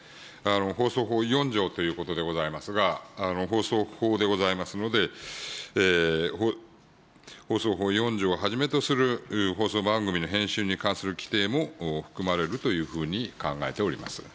放送法４条ということでございますが、放送法でございますので、放送法４条をはじめとする、放送番組の編集に関する規定も含まれるというふうに考えております。